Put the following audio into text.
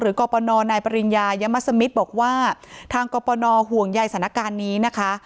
กรปนนายปริญญายมัสมิตรบอกว่าทางกรปนห่วงใยสถานการณ์นี้นะคะ